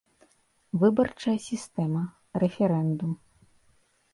ВЫБАРЧАЯ СІСТЭМА. РЭФЕРЭНДУМ